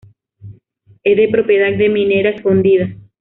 Es de propiedad de Minera Escondida.